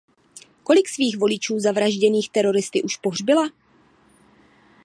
Kolik svých voličů zavražděných teroristy už pohřbila?